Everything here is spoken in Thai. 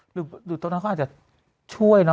หรือตรงนั้นเขาอาจจะช่วยเนาะ